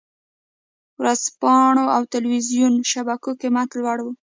ورځپاڼو او ټلویزیون شبکو قېمت لوړ و.